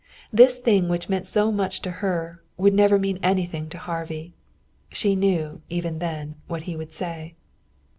This thing which meant so much to her would never mean anything to Harvey. She knew, even then, what he would say.